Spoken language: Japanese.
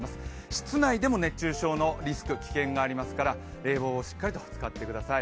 室内でも熱中症のリスク、危険がありますから冷房をしっかりと使ってください。